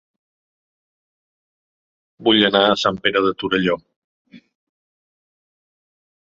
Vull anar a Sant Pere de Torelló